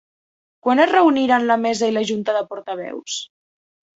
Quan es reuniran la mesa i la junta de portaveus?